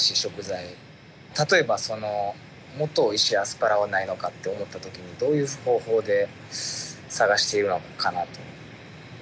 例えばもっとおいしいアスパラはないのかって思った時にどういう方法で探しているのかなと。